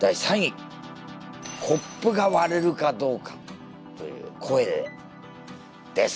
コップが割れるかどうかという声でです。